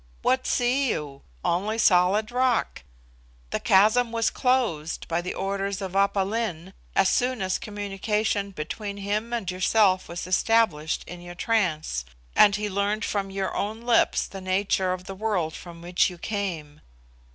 What see you? Only solid rock. The chasm was closed, by the orders of Aph Lin, as soon as communication between him and yourself was established in your trance, and he learned from your own lips the nature of the world from which you came.